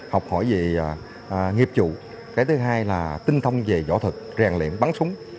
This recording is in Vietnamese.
học hỏi về nghiệp chủ cái thứ hai là tinh thông về giỏ thực rèn luyện bắn súng